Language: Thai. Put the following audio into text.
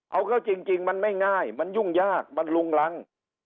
เอาเข้าจริงมันไม่ง่ายมันยุ่งยากมันลุงรัง